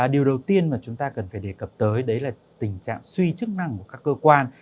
điều đầu tiên mà chúng ta cần phải đề cập tới đấy là tình trạng suy chức năng của các cơ quan